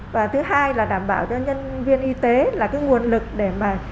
và thứ hai là đảm bảo cho nhân viên y tế là cái nguồn lực để mà